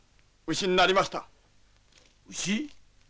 牛？